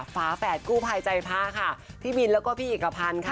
ฝาแฝดกู้ภัยใจพระค่ะพี่บินแล้วก็พี่เอกพันธ์ค่ะ